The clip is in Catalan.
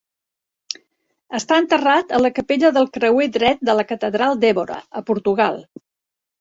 Està enterrat a la capella del creuer dret de la catedral d'Évora, a Portugal.